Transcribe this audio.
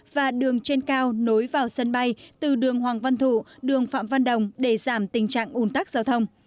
và đường trên cao nối vào sân bay từ đường hoàng văn thụ đường phạm văn đồng để giảm tình trạng ủn tắc giao thông